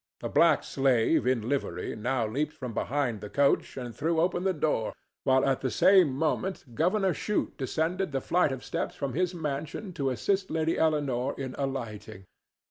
A black slave in livery now leaped from behind the coach and threw open the door, while at the same moment Governor Shute descended the flight of steps from his mansion to assist Lady Eleanore in alighting.